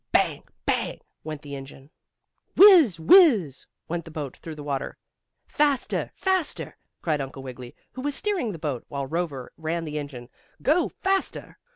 "Bang bang!" went the engine. "Whizz whizz!" went the boat through the water. "Faster! Faster!" cried Uncle Wiggily, who was steering the boat, while Rover ran the engine. "Go faster!"